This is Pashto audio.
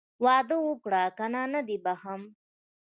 واده وکړه که نه نه دې بښم.